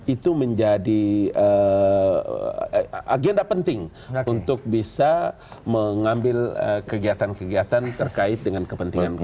itu menjadi agenda penting untuk bisa mengambil kegiatan kegiatan terkait dengan kepentingan golkar